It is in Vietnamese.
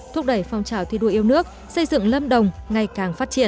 thúc đẩy phong trào thi đua yêu nước xây dựng lâm đồng ngày càng phát triển